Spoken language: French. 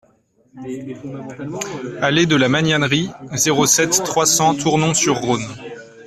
Allée de la Magnanerie, zéro sept, trois cents Tournon-sur-Rhône